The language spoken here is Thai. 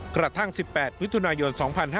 กระทั่ง๑๘วิทยุนายน๒๕๖๑